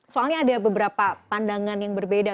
soalnya ada beberapa pandangan yang berbeda